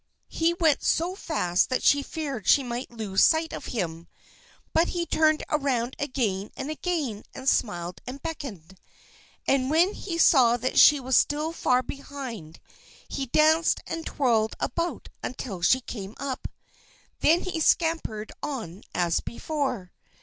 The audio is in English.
He went so fast that she feared she might lose sight of him, but he turned around again and again and smiled and beckoned. And when he saw that she was still far behind, he danced and twirled about until she came up. Then he scampered on as before.